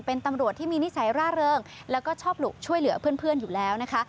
เป็นตำรวจที่มีนิสัยร่าเริงแล้วก็ชอบหลุกช่วยเหลือเพื่อนอยู่แล้วนะคะ